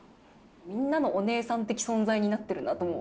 みんなのおねえさん的存在になってるなとも。